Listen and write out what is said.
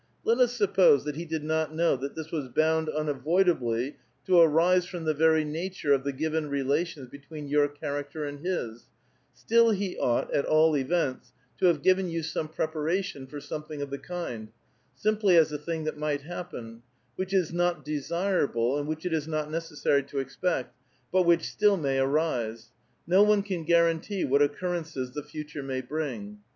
Let us suppose that he did not know 'that this was bound unavoidably to arise from the very nature of the given relations between your character and his, still lie ought, at all events, to have given you some preparation ]for something of the kind, simply as a thing that might hap pen, which is not desirable and which it is not necessary to expect, but which still may arise ; no one can guarantee what occurrences the future may bring.